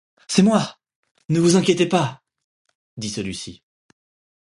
C'est moi, ne vous inquiétez pas, dit celui-ci.